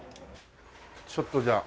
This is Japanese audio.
ちょっとじゃあ。